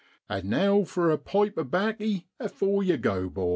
An' now for a pipe o' baccy afore yow go, 'bor.'